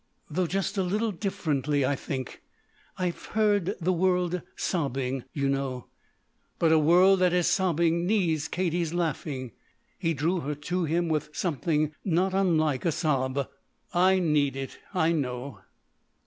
"Though just a little differently, I think. I've heard the world sobbing, you know." "But a world that is sobbing needs Katie's laughing." He drew her to him with something not unlike a sob. "I need it, I know."